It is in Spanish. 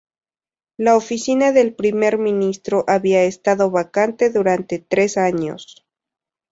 La oficina del Primer Ministro había estado vacante durante tres años.